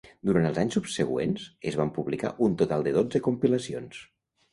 Durant els anys subseqüents, es van publicar un total de dotze compilacions.